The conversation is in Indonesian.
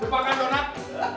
lupa makan donat